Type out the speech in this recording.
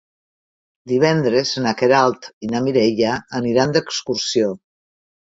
Divendres na Queralt i na Mireia aniran d'excursió.